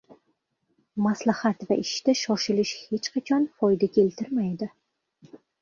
• Maslahat va ishda shoshilish hech qachon foyda keltirmaydi.